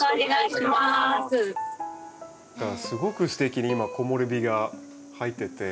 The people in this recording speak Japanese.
すごくすてきに今木漏れ日が入ってて。